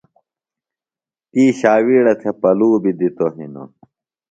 تی ݜاوِیڑہ تھےۡ پلُوۡ بیۡ دِتوۡ ہِنوۡ۔